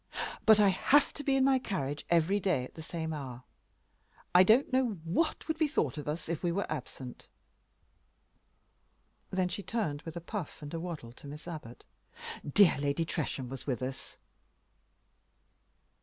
"But I have to be in my carriage every day at the same hour. I don't know what would be thought of us if we were absent." Then she turned, with a puff and a waddle, to Miss Abbot. "Dear Lady Tresham was with us."